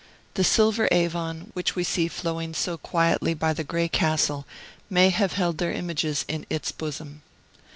The silver Avon, which we see flowing so quietly by the gray castle, may have held their images in its bosom.